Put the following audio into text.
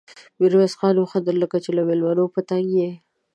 ميرويس خان وخندل: لکه چې له مېلمنو په تنګ يې؟